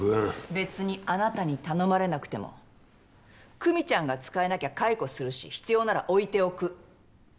べつにあなたに頼まれなくても久実ちゃんが使えなきゃ解雇するし必要なら置いておく。